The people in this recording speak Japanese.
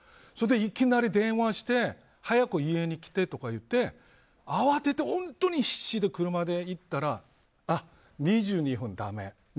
それで、いきなり電話して早く家に来てとか言って慌てて本当に必死で車で行ったら２２分だめ。